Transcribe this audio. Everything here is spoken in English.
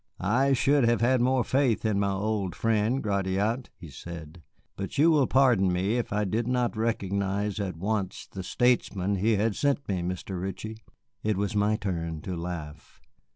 "I should have had more faith in my old friend Gratiot," he said; "but you will pardon me if I did not recognize at once the statesman he had sent me, Mr. Ritchie." It was my turn to laugh.